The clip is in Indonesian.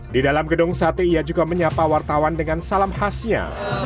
di dalam gedung sate ia juga menyapa wartawan dengan salam khasnya